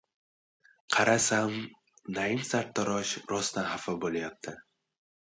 Qarasam, Naim sartarosh rostdan xafa bo‘lyapti.